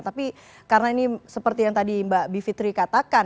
tapi karena ini seperti yang tadi mbak bivitri katakan